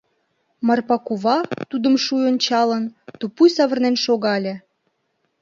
Марпа кува, тудым шуй ончалын, тупуй савырнен шогале.